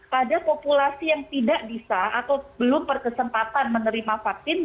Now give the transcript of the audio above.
pada populasi yang tidak bisa atau belum berkesempatan menerima vaksin